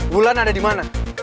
mulan ada di mana